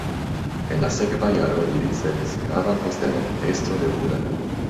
En la sekva jaro li ricevis gravan postenon: estro de Buda.